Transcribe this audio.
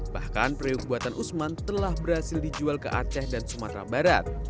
bahkan periuk buatan usman telah berhasil dijual ke aceh dan sumatera barat